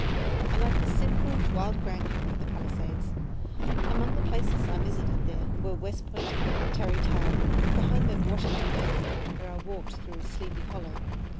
I liked the simple, wild grandeur of the palisades. Among the places I visited were West Point, Tarrytown, the home of Washington Irving, where I walked through "Sleepy Hollow."